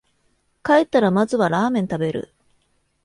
帰ったらまずはラーメン食べる